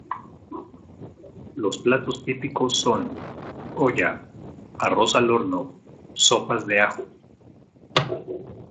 Los platos típicos son: olla, arroz al horno, sopas de ajo.